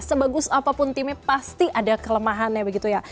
sebagus apapun timnya pasti ada kelemahannya